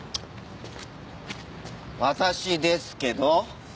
私ですけど？